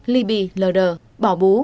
li bì lờ đờ bỏ bú